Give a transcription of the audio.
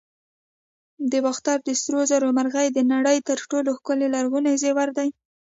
د باختر د سرو زرو مرغۍ د نړۍ تر ټولو ښکلي لرغوني زیور دی